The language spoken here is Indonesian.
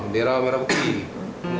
bendera merah putih